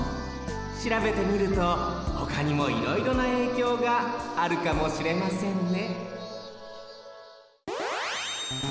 しらべてみるとほかにもいろいろなえいきょうがあるかもしれませんね